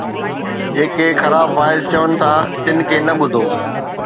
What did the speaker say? جيڪي خراب واعظ چون ٿا، تن کي نه ٻڌو